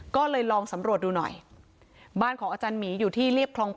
ก็เลยลองสำรวจดูหน่อยบ้านของอาจารย์หมีอยู่ที่เรียบคลอง๘